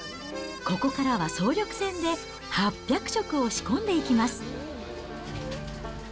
ここからは総力戦で、８００食を仕込んでいきます。